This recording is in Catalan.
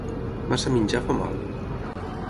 Massa menjar fa mal.